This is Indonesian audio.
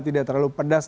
tidak terlalu pedas